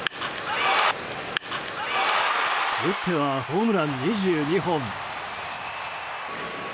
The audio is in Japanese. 打ってはホームラン２２本。